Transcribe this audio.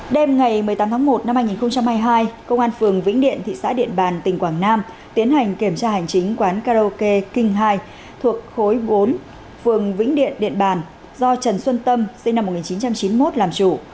đêm ngày một mươi tám tháng một năm hai nghìn hai mươi hai công an phường vĩnh điện thị xã điện bàn tỉnh quảng nam tiến hành kiểm tra hành chính quán karaoke kinh hai thuộc khối bốn phường vĩnh điện điện bàn do trần xuân tâm sinh năm một nghìn chín trăm chín mươi một làm chủ